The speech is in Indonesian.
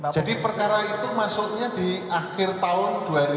jadi perkara itu maksudnya di akhir tahun dua ribu lima belas